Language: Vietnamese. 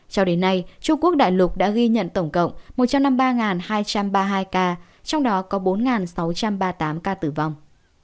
cho đến nay trung quốc đại lục đã ghi nhận tổng cộng một trăm năm mươi ba hai trăm ba mươi hai ca trong đó có bốn sáu trăm ba mươi tám ca tử vong